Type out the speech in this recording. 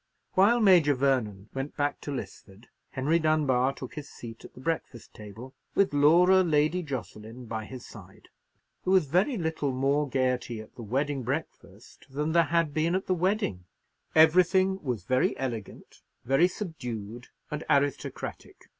While Major Vernon went back to Lisford, Henry Dunbar took his seat at the breakfast table, with Laura Lady Jocelyn by his side. There was very little more gaiety at the wedding breakfast than there had been at the wedding. Everything was very elegant, very subdued, and aristocratic.